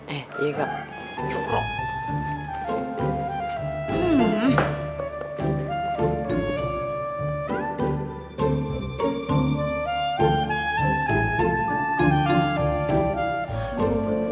eh iya kak jorok